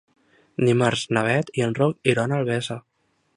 Dimarts na Beth i en Roc iran a Albesa.